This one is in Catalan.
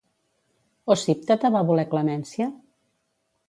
Ocíptete va voler clemència?